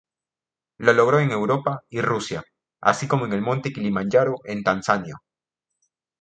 Lo logró en Europa y Rusia, así como en el Monte Kilimanjaro en Tanzania.